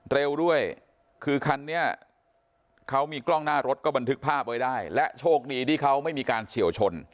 เร็วด้วยคือคันนี้เขามีกล้องหน้ารถก็บันทึกภาพไว้ได้และโชคดีที่เขาไม่มีการเฉียวชน